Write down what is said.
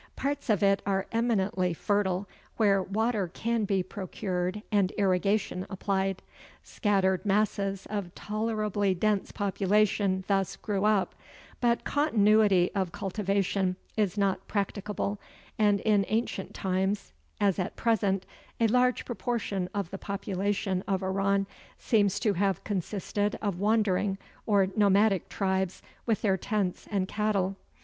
Parts of it are eminently fertile, where water can be procured and irrigation applied. Scattered masses of tolerably dense population thus grew up; but continuity of cultivation is not practicable, and in ancient times, as at present, a large proportion of the population of Iran seems to have consisted of wandering or nomadic tribes with their tents and cattle.